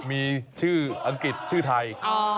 มีชื่ออังกฤษชื่อไทย